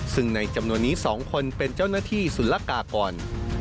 ซึ่งในจำนวนนี้๒คนเป็นเจ้าหน้าที่ศุลกากร